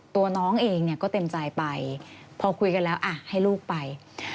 ตัวน้องเองเนี่ยก็เต็มใจไปพอคุยกันแล้วอ่ะให้ลูกไป